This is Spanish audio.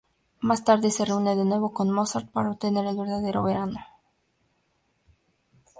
Más tarde se reúne de nuevo con Mozart para obtener el verdadero veneno.